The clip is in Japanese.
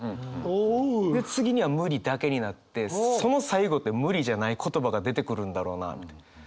で次には「無理」だけになってその最後って「無理」じゃない言葉が出てくるんだろうなみたいな。